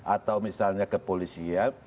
atau misalnya kepolisian